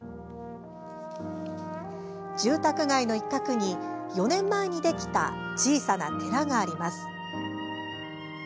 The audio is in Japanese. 住宅街の一角に、４年前にできた小さな寺があります。